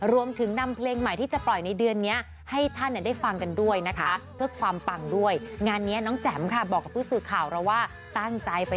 รวมถึงนำเพลงใหม่ที่จะปล่อยในเดือนนี้